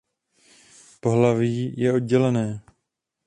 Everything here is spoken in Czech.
Pohlaví je oddělené.